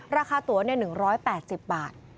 ราคาตัวเนี่ย๑๘๐บาท